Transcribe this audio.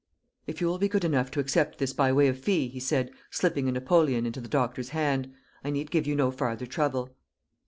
"If you will be good enough to accept this by way of fee," he said, slipping a napoleon into the doctor's hand, "I need give you no farther trouble."